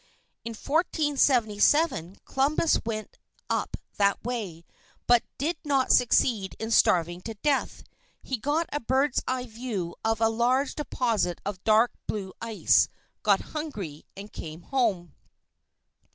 In 1477 Columbus went up that way, but did not succeed in starving to death. He got a bird's eye view of a large deposit of dark blue ice, got hungry and came home.